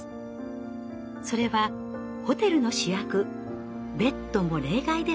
それはホテルの主役ベッドも例外ではありませんでした。